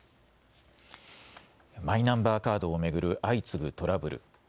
マイナンバーカードを巡る相次ぐトラブル。